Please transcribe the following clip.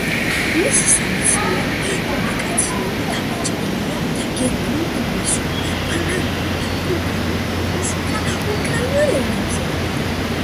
მისი სამეცნიერო პუბლიკაციები დაბეჭდილია გერმანულ, ინგლისურ, ფრანგულ, ბულგარულ, რუსულ და უკრაინულ ენებზე.